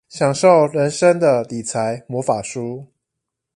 享受人生的理財魔法書